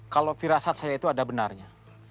kalau firasat saya itu ada benarnya